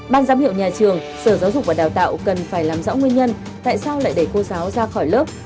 ban giám hiệu nhà trường sở giáo dục và đào tạo cần phải làm rõ nguyên nhân tại sao lại để cô giáo ra khỏi lớp